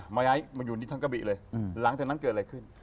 มาย้ายมาอยู่นี่ทั้งกะบิเลยหลังจากนั้นเกิดอะไรขึ้น